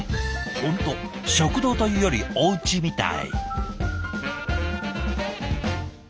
本当食堂というよりおうちみたい。